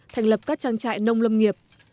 thành lập các trang trại nông lâm nghiệp